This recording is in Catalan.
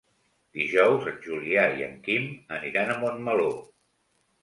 Dijous en Julià i en Quim aniran a Montmeló.